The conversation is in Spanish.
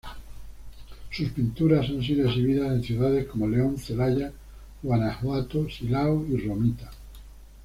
Sus pinturas han sido exhibidas en ciudades como León, Celaya, Guanajuato, Silao, y Romita.